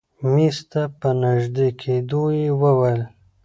مېز ته په نژدې کېدو يې وويل.